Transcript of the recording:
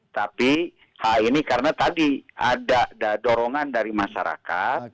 tapi hal ini karena tadi ada dorongan dari masyarakat